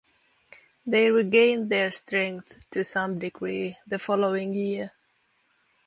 They regained their strength to some degree the following year.